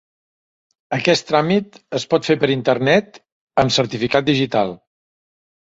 Aquest tràmit es pot fer per Internet amb certificat digital.